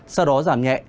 sau đó giảm nhẹ